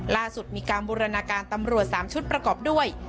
ล่าสุดมีการบูรณาการตำรวจ๓ชุดประกอบด้วย